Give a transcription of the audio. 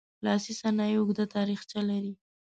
لاسي صنایع اوږده تاریخچه لري.